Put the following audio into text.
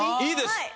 いいです。